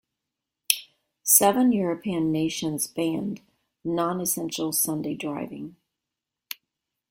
Seven European nations banned non-essential Sunday driving.